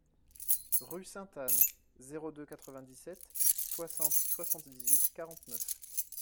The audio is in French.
Rue Sainte Anne, zéro deux quatre-vingt-dix-sept soixante soixante-dix-huit quarante-neuf.